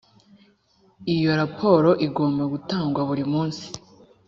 iyo raporo igomba gutangwa buri munsi